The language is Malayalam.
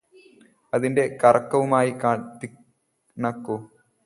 അതിന്റെ കറക്കവുമായി ഒത്തിണക്കൂ